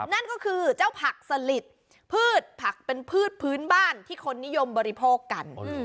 นั่นก็คือเจ้าผักสลิดพืชผักเป็นพืชพื้นบ้านที่คนนิยมบริโภคกัน